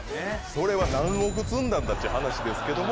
それは何億積んだんだっていう話ですけども。